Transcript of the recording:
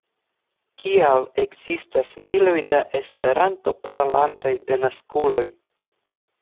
Kial ekzistas miloj da Esperanto-parolantaj denaskuloj?